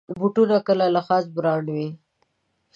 بوټونه کله له خاص برانډ وي.